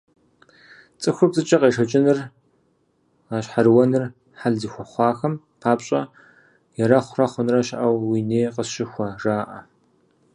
ЦӀыхур пцӀыкӀэ къешэкӀыныр, гъэщхьэрыуэныр хьэл зыхуэхъуахэм папщӏэ «Ерэхъурэ хъунрэ щыӀэу уи ней къысщыхуэ» жаӏэ.